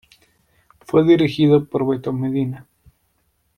El video fue dirigido por Beto Medina.